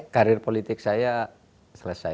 karir politik saya selesai